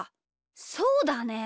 そうだね！